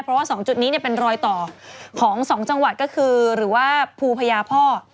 เพราะว่า๒จุดนี้เป็นรอยต่อของสองจังหวัดก็คือหรือว่าภูพญาพ่อ